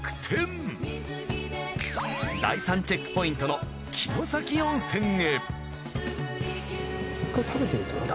第３チェックポイントの城崎温泉へ。